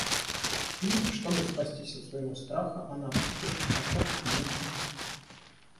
И, чтобы спастись от своего страха, она поспешно пошла в кабинет к нему.